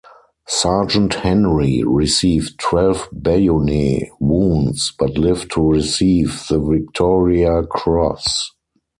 Sergeant Henry received twelve bayonet wounds but lived to receive the Victoria Cross.